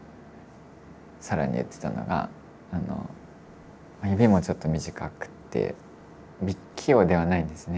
更に言ってたのが指もちょっと短くて器用ではないんですね。